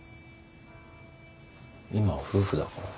今は夫婦だから。